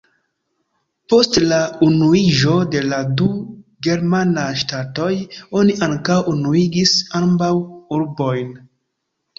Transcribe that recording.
Post la unuiĝo de la du germanaj ŝtatoj oni ankaŭ unuigis ambaŭ urbojn.